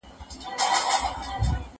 زه به لوښي وچولي وي،